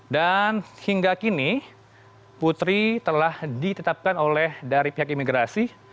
dan hingga kini putri telah ditetapkan oleh dari pihak imigrasi